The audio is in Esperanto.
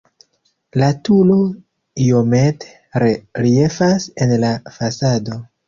La turo iomete reliefas en la fasado.